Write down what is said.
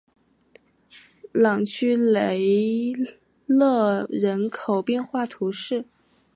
朗屈雷勒人口变化图示